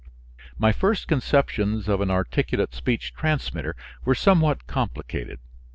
My first conceptions of an articulate speech transmitter were somewhat complicated.